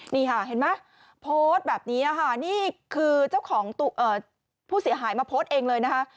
นี่ค่ะเห็นไหมโพสต์แบบนี้ค่ะนี่คือเจ้าของผู้เสียหายมาโพสต์เองเลยนะคะ